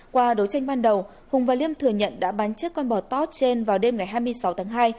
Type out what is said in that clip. qua đấu tranh ban đầu hùng và liêm thừa nhận đã bán chiếc con bò tót trên vào đêm ngày hai mươi sáu tháng hai